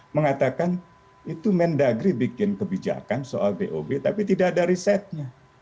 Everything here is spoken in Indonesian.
mengatakan itu mendagri bikin kebijakan soal dob tapi tidak ada risetnya